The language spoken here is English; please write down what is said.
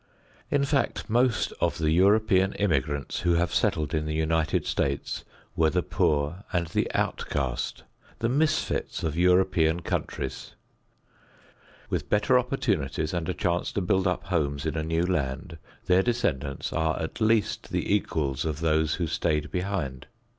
In fact, most of the European immigrants who have settled in the United States were the poor and the outcast, the misfits of European countries. With better opportunities and a chance to build up homes in a new land, their descendants are at least the equals of those who stayed behind.